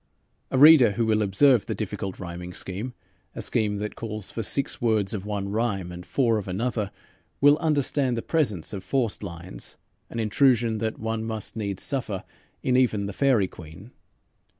A reader who will observe the difficult rhyming scheme, a scheme that calls for six words of one rhyme and four of another, will understand the presence of forced lines, an intrusion that one must needs suffer in even "The Faerie Queene."